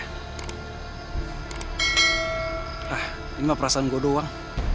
nah ini mah perasaan gue doang